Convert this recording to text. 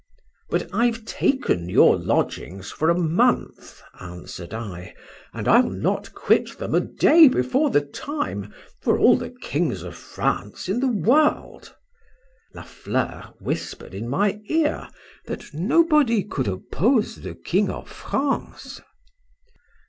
—But I've taken your lodgings for a month, answer'd I, and I'll not quit them a day before the time for all the kings of France in the world. La Fleur whispered in my ear, That nobody could oppose the king of France.